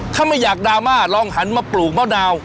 ถ้าไม่อยากดราม่าลองหันมาปลูกมะนาว